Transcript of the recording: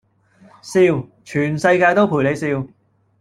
笑，全世界都陪你笑